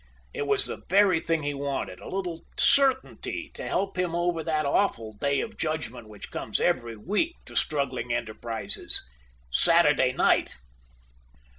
It was the very thing he wanted, a little certainty to help him over that awful day of judgment which comes every week to struggling enterprises, Saturday night!